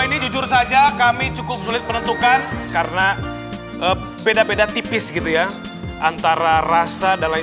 ini jujur saja kami cukup sulit menentukan karena beda beda tipis gitu ya antara rasa dan lain